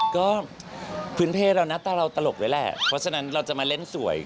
ก็พื้นเพศเราหน้าตาเราตลกด้วยแหละเพราะฉะนั้นเราจะมาเล่นสวย